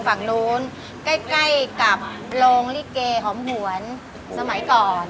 ใกล้กับโลงริเกฮอมหวนสมัยก่อน